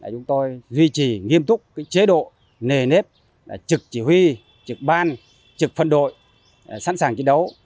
chúng tôi duy trì nghiêm túc chế độ nề nếp trực chỉ huy trực ban trực phân đội sẵn sàng chiến đấu